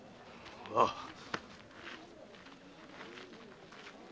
ああ。